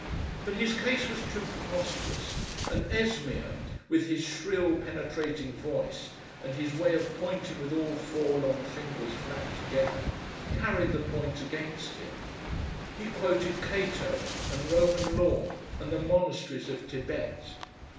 But his case was too preposterous, and Esmeer, with his shrill penetrating voice and his way of pointing with all four long fingers flat together, carried the point against him. He quoted Cato and Roman law and the monasteries of Thibet.